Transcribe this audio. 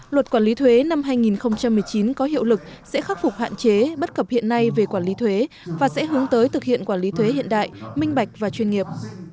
luật quản lý thuế năm hai nghìn một mươi chín có hiệu lực sẽ khắc phục hạn chế bất cập hiện nay về quản lý thuế và sẽ hướng tới thực hiện quản lý thuế hiện đại minh bạch và chuyên nghiệp